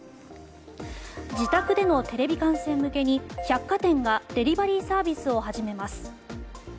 自宅でのテレビ観戦向けに百貨店がデリバリーサービスを始めます。